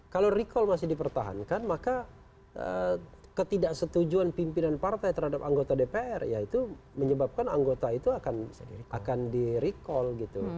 kalau recall masih dipertahankan maka ketidaksetujuan pimpinan partai terhadap anggota dpr ya itu menyebabkan anggota itu akan di recall gitu